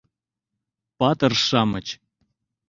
ПАТЫР-ШАМЫЧ